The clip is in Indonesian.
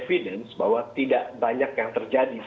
evidence bahwa tidak banyak yang terjadi